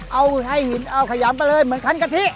เอาให้หินเอาขยำไปเลยเหมือนคันกะทิ